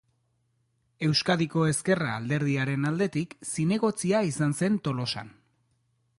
Euskadiko Ezkerra alderdiaren aldetik zinegotzia izan zen Tolosan.